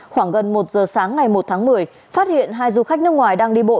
khoảng gần một giờ sáng ngày một tháng một mươi phát hiện hai du khách nước ngoài đang đi bộ